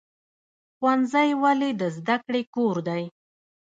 ښوونځی ولې د زده کړې کور دی؟